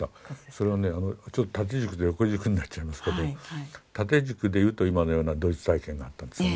それはね縦軸と横軸になっちゃいますけど縦軸で言うと今のようなドイツ体験があったんですよね。